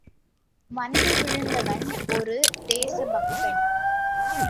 வந்து விழுந்தவன் ஒரு தேசபக்தன்.